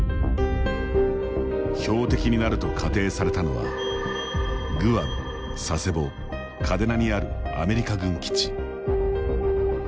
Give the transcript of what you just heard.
標的になると仮定されたのはグアム、佐世保嘉手納にあるアメリカ軍基地。